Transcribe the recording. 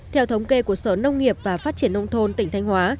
theo thống kê của sở nông nghiệp và phát triển nông thôn tỉnh thanh hóa